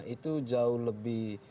itu jauh lebih